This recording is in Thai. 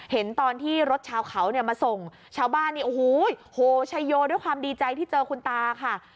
เห็นตอนที่รถชาวเขาเนี่ยมาส่งชาวบ้านนี่โอ้โหโฮชัยโยด้วยความดีใจที่เจอคุณตาค่ะ